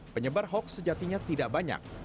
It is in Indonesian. penyebar hoax sejatinya tidak banyak